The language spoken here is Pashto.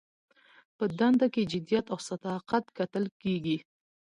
په دنده کې جدیت او صداقت کتل کیږي.